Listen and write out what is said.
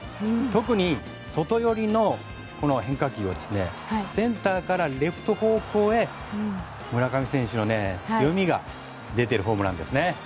特に、外寄りの変化球をセンターからレフト方向へ村上選手の強みが出ているホームランですね。